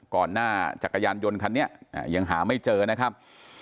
หน้าจักรยานยนต์คันนี้ยังหาไม่เจอนะครับ